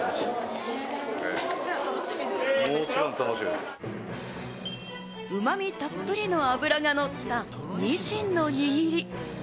つまみたっぷりの脂がのった、にしんの握り。